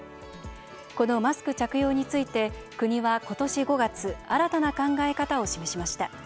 このマスク着用について国は今年５月新たな考え方を示しました。